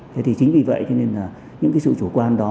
thế thì chính vì vậy cho nên là những cái sự chủ quan đó